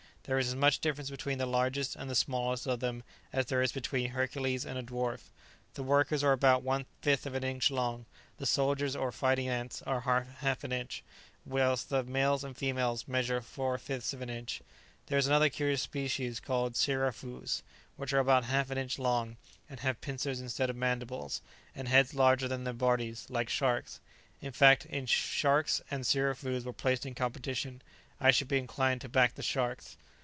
There is as much difference between the largest and the smallest of them as there is between Hercules and a dwarf; the workers are about one fifth of an inch long; the soldiers, or fighting ants, are half an inch; whilst the males and females measure four fifths of an inch. There is another curious species, called 'sirafoos,' which are about half an inch long, and have pincers instead of mandibles, and heads larger than their bodies, like sharks. In fact, if sharks and sirafoos were placed in competition, I should be inclined to back the sharks."